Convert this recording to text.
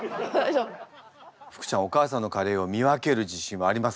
福ちゃんお母さんのカレーを見分ける自信はありますか？